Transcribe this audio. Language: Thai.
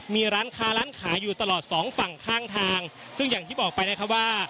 มีร้านค้าร้านขายอยู่ตลอดสองฝั่งข้างทางซึ่งอย่างที่บอกไปนะครับว่า